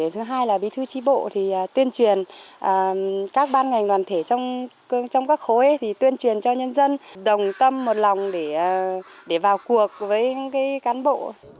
thứ hai là bí thư trí bộ tuyên truyền các ban ngành đoàn thể trong các khối tuyên truyền cho nhân dân đồng tâm một lòng để vào cuộc với cán bộ